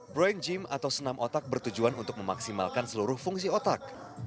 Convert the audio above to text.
braink gym atau senam otak bertujuan untuk memaksimalkan seluruh fungsi otak